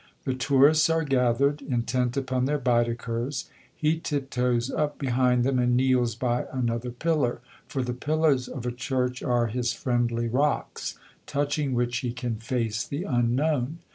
The tourists are gathered, intent upon their Baedekers; he tiptoes up behind them and kneels by another pillar for the pillars of a church are his friendly rocks, touching which he can face the unknown.